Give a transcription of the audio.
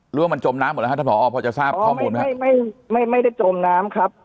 หรือว่ามันจมน้ำหมดแล้วครับท่านผอพอจะทราบข้อมูลไหมไม่ไม่ไม่ได้จมน้ำครับ